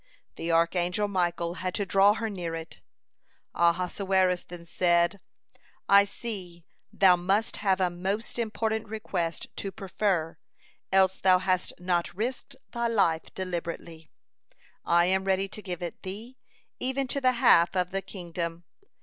The archangel Michael had to draw her near it. Ahasuerus then said: "I see, thou must have a most important request to prefer, else thou hadst not risked thy life deliberately. (149) I am ready to give it thee, even to the half of the kingdom.